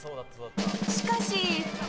しかし。